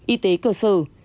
y tế cơ sở